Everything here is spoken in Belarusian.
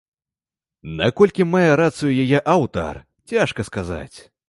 Наколькі мае рацыю яе аўтар, цяжка сказаць.